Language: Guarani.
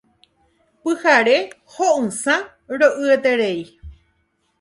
Pyhare, ho'ysã, ro'yeterei.